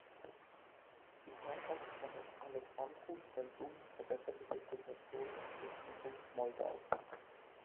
Die Herrschaft von Alexandru cel Bun verbesserte die Situation im Fürstentum Moldau.